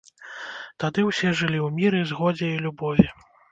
Тады ўсе жылі ў міры, згодзе і любові.